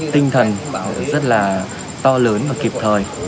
tinh thần rất là to lớn và kịp thời